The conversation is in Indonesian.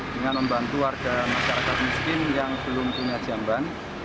dengan membantu warga masyarakat miskin yang belum punya jamban